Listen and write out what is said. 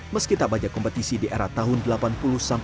meski tak banyak kompetisi di era tahun delapan puluh an